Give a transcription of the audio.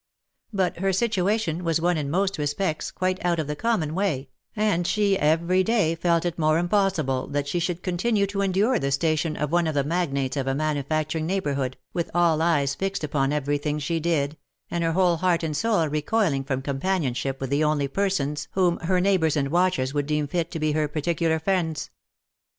But her situation was one in most respects quite out of the common way, and she every day felt it more impossible that she could continue to endure the station of one of the magnates of a manufacturing neigh bourhood, with all eyes fixed upon every thing she did, and her whole heart and soul recoiling from companionship with the only persons whom her neighbours and watchers would deem fit to be her particular friends.